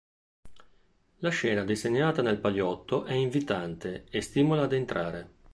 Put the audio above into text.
La scena disegnata nel paliotto è invitante e stimola ad entrare.